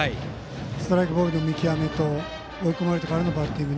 ストライク、ボールの見極めと追い込まれてからのバッティング。